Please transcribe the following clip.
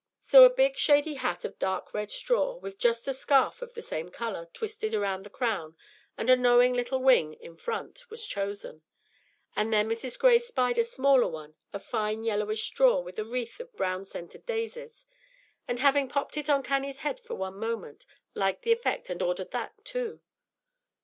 So a big, shady hat of dark red straw, with just a scarf of the same color twisted round the crown and a knowing little wing in front, was chosen; and then Mrs. Gray spied a smaller one of fine yellowish straw with a wreath of brown centred daisies, and having popped it on Cannie's head for one moment, liked the effect, and ordered that too.